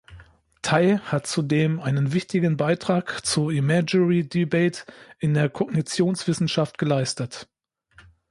Tye hat zudem einen wichtigen Beitrag zur Imagery debate in der Kognitionswissenschaft geleistet.